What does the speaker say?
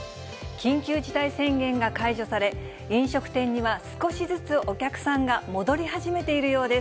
緊急事態宣言が解除され、飲食店には少しずつお客さんが戻り始めているようです。